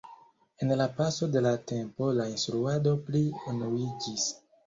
En la paso de la tempo la instruado pli unuiĝis.